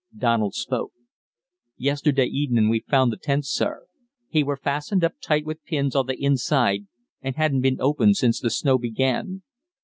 Donald spoke: "Yesterday evenin' we found th' tent, sir. He were fastened up tight with pins on th' inside, an' hadn't been opened since th' snow began.